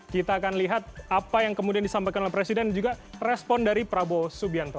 kita akan lihat apa yang kemudian disampaikan oleh presiden dan juga respon dari prabowo subianto